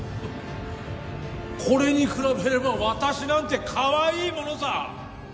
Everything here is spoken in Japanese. これに比べれば私なんてかわいいものさ！